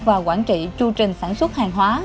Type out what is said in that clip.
và quản trị chu trình sản xuất hàng hóa